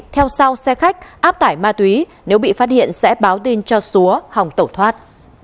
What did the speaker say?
theo sau xe khách áp tải ma túy nếu bị phát hiện sẽ báo tin cho xúa hòng tẩu thoát